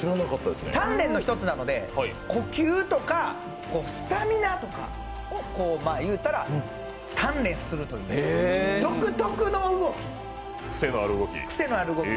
鍛錬の一つなので、呼吸とかスタミナとかを言うたら鍛錬するという、独特の動き、クセのある動き。